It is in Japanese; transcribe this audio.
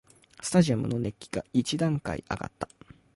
スタジアムの熱気が一段階あがった